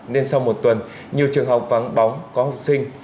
nên sau một tuần nhiều trường học vắng bóng có học sinh